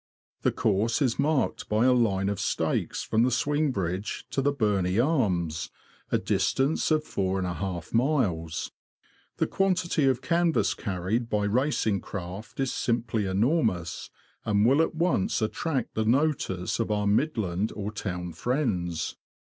The course is marked by a line of stakes from the Swing Bridge to the Berney Arms, a distance of four and a half miles. The quantity of canvas carried by racing craft is simply enormous, and will at once attract the notice of our Midland or town friends.